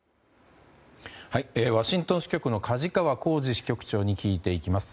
ワシントン支局の梶川幸司支局長に聞いていきます。